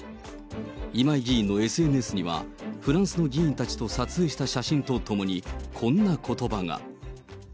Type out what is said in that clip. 今井議員のＳＮＳには、フランスの議員たちと撮影した写真とともに、こんなことばが。